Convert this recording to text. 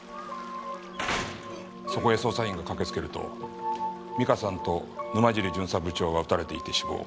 そこへ捜査員が駆けつけると美香さんと沼尻巡査部長は撃たれていて死亡。